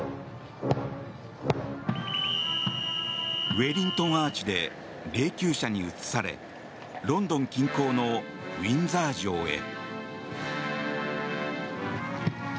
ウェリントンアーチで霊きゅう車に移されロンドン近郊のウィンザー城へ。